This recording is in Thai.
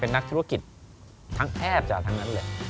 เป็นนักธุรกิจแทบจากทั้งนั้นเลย